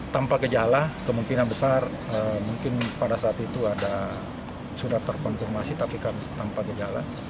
tanpa gejala kemungkinan besar mungkin pada saat itu ada sudah terkonfirmasi tapi tanpa gejala